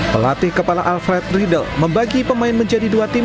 pelatih kepala alfred riedel membagi pemain menjadi dua tim